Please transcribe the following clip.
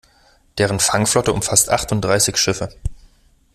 Deren Fangflotte umfasst achtunddreißig Schiffe.